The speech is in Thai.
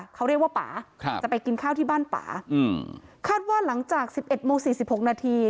เขาเรียกว่าป่าจะไปกินข้าวที่บ้านป่าอืมคาดว่าหลังจากสิบเอ็ดโมงสี่สิบหกนาที